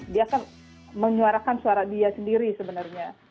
dia kan menyuarakan suara dia sendiri sebenarnya